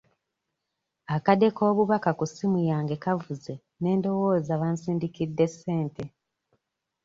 Akade k'obubaka ku ssimu yange kavuze ne ndowooza bansindikidde ssente.